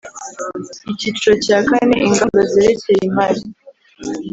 Icyiciro cya kane Ingamba zerekeye imari